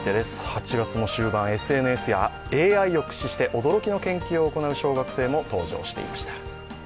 ８月の終盤ＳＮＳやＡＩを駆使して驚きの研究を行う小学生も登場していました。